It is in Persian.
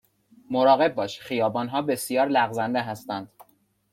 مراقب باش، خیابان ها بسیار لغزنده هستند.